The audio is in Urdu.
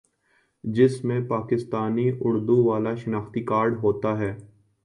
جس میں پاکستانی اردو والا شناختی کارڈ ہوتا ہے